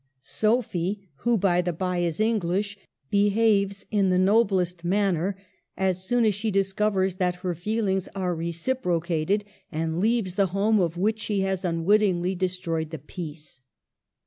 Sophie (>yho, by the bye, is English) behaves in the noblest manner as soon as she discovers that her feelings are reciprocated, and leaves the home of which she has unwittingly destroyed the peace.